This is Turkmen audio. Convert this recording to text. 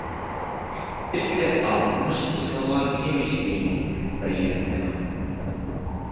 isle altmyş bu sowal hemişe seň beýniň bir ýerinde.